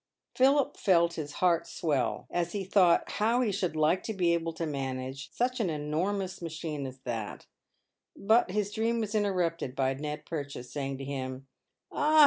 Philip felt his heart swell as he thought how he should like to be aBIe to manage such an enormous machine as that ; but his dream was interrupted by Ned Purchase saying to him, " Ah